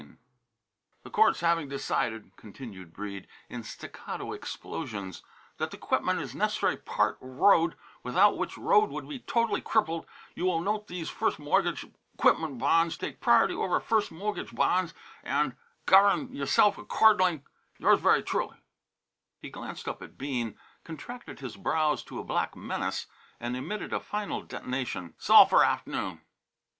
III "The courts havin' decided," continued Breede, in staccato explosions, "that the 'quipment is nes'ry part of road, without which road would be tot'ly crippled, you will note these first moggige 'quipment bonds take pri'rty over first moggige bonds, an' gov'n y'sef 'cordingly your ver' truly " He glanced up at Bean, contracted his brows to a black menace and emitted a final detonation. "'S all for 's aft'noon!"